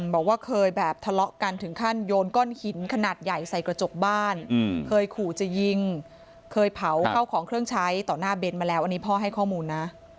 บอกว่าเคยแบบทะเลาะกันถึงขั้นโยนก้อนหินขนาดใหญ่ใส่กระจกบ้านเคยขู่จะยิงเคยเผาเข้าของเครื่องใช้ต่อหน้าเบนมาแล้วอันนี้พ่อให้ข้อมูลนะ